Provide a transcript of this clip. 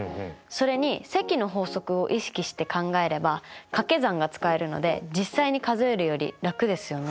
それに積の法則を意識して考えればかけ算が使えるので実際に数えるより楽ですよね。